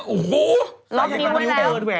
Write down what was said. โอ้โหรอบนิ้วไม่แล้ว